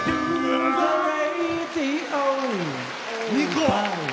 ２個。